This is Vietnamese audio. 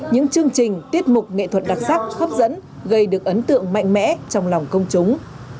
những chương trình tiết mục nghệ thuật đặc sắc hấp dẫn gây được ấn tượng mạnh mẽ trong lòng công chúng